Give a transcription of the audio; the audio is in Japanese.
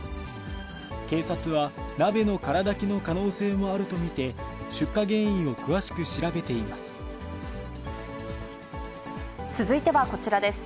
警察は鍋の空だきの可能性もあると見て、出火原因を詳しく調べて続いてはこちらです。